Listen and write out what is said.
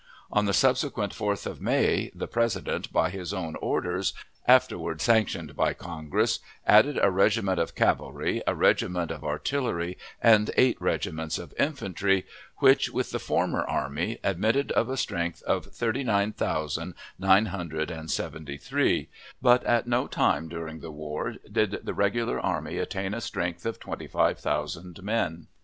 On the subsequent 4th of May the President, by his own orders (afterward sanctioned by Congress), added a regiment of cavalry, a regiment of artillery, and eight regiments of infantry, which, with the former army, admitted of a strength of thirty nine thousand nine hundred and seventy three; but at no time during the war did the Regular Army attain a strength of twenty five thousand men.